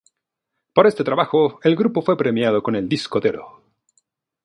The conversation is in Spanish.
Por este trabajo, el grupo fue premiado con el disco de oro.